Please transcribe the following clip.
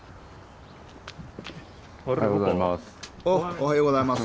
おはようございます。